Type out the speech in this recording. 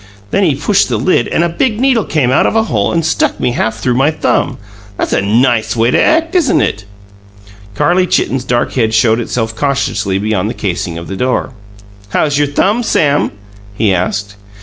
Then he pushed the lid, and a big needle came out of a hole and stuck me half through my thumb. That's a NICE way to act, isn't it?" Carlie Chitten's dark head showed itself cautiously beyond the casing of the door. "How's your thumb, Sam?" he asked.